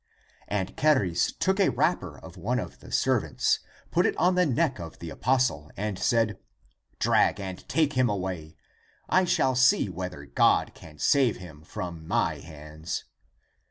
And Charis took a wrapper of one of his servants, ACTS OF THOMAS 3II put it on the neck of the apostle, and said, " Drag and take him away; I shall see whether God can save him from my hands."